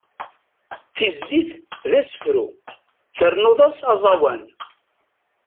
Tizlit d asefru, ternuḍ-as aẓawan.